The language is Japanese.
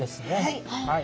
はい。